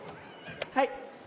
はい。